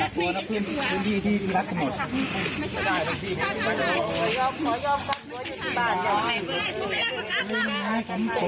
คุณที่ถูกได้ครับ